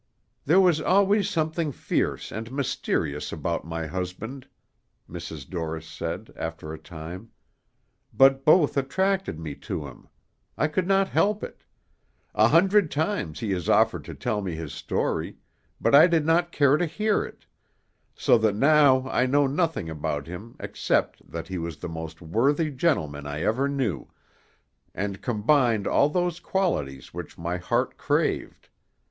"There was always something fierce and mysterious about my husband," Mrs. Dorris said, after a time; "but both attracted me to him. I could not help it. A hundred times he has offered to tell me his story, but I did not care to hear it; so that now I know nothing about him except that he was the most worthy gentleman I ever knew, and combined all those qualities which my heart craved.